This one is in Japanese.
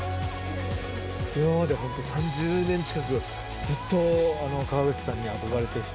今までホント３０年近くずっと川口さんに憧れてきて。